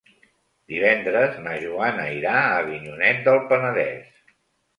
Divendres na Joana irà a Avinyonet del Penedès.